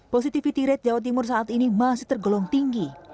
positivity rate jawa timur saat ini masih tergolong tinggi